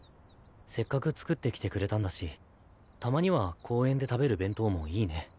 せっかく作ってきてくれたんだしたまには公園で食べる弁当もいいね。